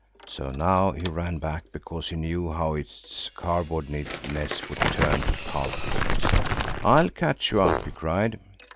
So now he ran back, because he knew how its cardboardiness would turn to pulp if it was left. "I'll catch you up," he cried.